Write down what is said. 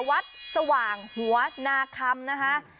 วัดสว่างหัวนาคมนะฮะ